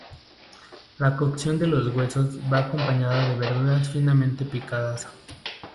La cocción de los huesos va acompañada de verduras finamente picadas.